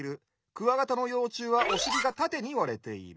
クワガタのようちゅうはおしりがたてにわれている」。